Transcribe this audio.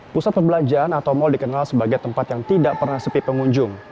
pusat perbelanjaan atau mal dikenal sebagai tempat yang tidak pernah sepi pengunjung